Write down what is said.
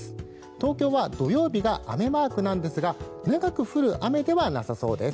東京は土曜日が雨マークなんですが長く降る雨ではなさそうです。